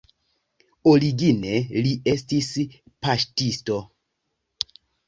Origine li estis paŝtisto.